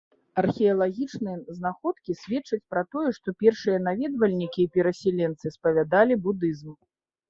Археалагічныя знаходкі сведчаць пра тое, што першыя наведвальнікі і перасяленцы спавядалі будызм.